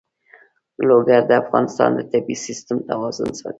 لوگر د افغانستان د طبعي سیسټم توازن ساتي.